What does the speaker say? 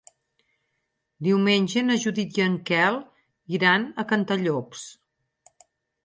Diumenge na Judit i en Quel iran a Cantallops.